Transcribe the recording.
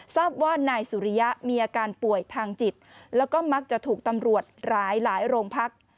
ทราบว่านายสุริยะมีอาการป่วยทางจิตแล้วก็มักจะถูกตำรวจหลายโรงพัก